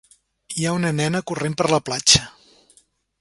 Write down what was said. Hi ha una nena corrent per la platja.